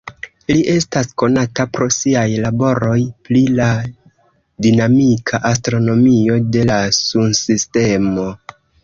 Li estas konata pro siaj laboroj pri la dinamika astronomio de la Sunsistemo.